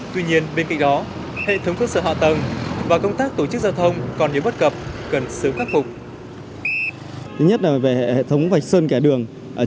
tuy nhiên bên cạnh đó hệ thống cơ sở họa tầng và công tác tổ chức giao thông còn nếu bất cập